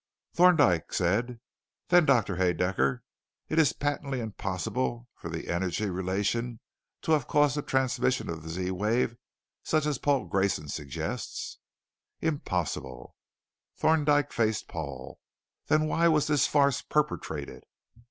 Thorndyke said: "Then Doctor Haedaecker, it is patently impossible for the energy relation to have caused the transmission of the Z wave such as Paul Grayson suggests?" "Impossible." Thorndyke faced Paul. "Then why was this farce perpetrated?"